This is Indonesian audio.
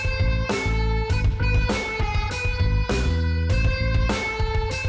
takut sama abah ramah